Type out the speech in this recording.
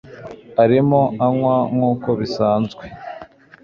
arimo anywa nk'uko bisanzwe